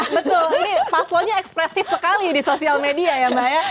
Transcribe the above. betul ini paslonnya ekspresif sekali di sosial media ya mbak ya